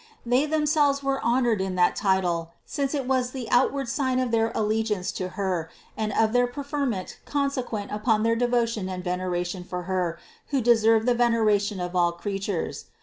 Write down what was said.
They themselves were honored in that title, since it was the outward sign of their allegiance to Her and of their preferment consequent upon their devotion and veneration for Her who deserved the veneration of all creatures.